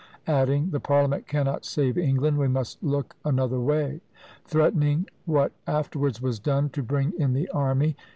adding, "the parliament cannot save England; we must look another way;" threatening, what afterwards was done, to bring in the army!